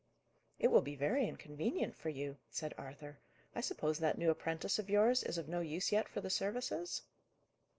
"It will be very inconvenient for you," said Arthur. "I suppose that new apprentice of yours is of no use yet for the services?"